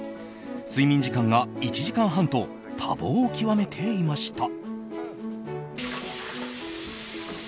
睡眠時間が１時間半と多忙を極めていました。